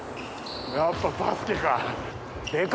やっぱバスケか。